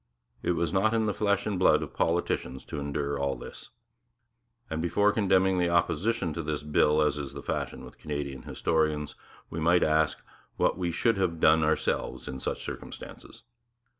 It was not in the flesh and blood of politicians to endure all this; and before condemning the opposition to this bill, as is the fashion with Canadian historians, we might ask what we should have done ourselves in such circumstances.